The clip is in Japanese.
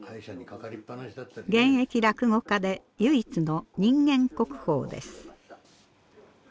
現役落語家で唯一の人間国宝です。